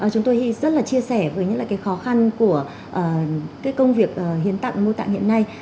chúng tôi rất là chia sẻ với những cái khó khăn của cái công việc hiến tặng mô tạng hiện nay